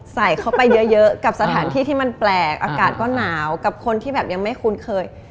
ใส่เข้าไปเยอะกับสถานที่ที่มันแปลกอากาศก็หนาวกับคนที่แบบยังไม่คุ้นเคย